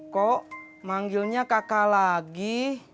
kok manggilnya kakak lagi